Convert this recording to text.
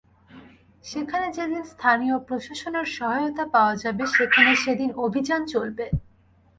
যেখানে যেদিন স্থানীয় প্রশাসনের সহায়তা পাওয়া যাবে, সেখানে সেদিন অভিযান চলবে।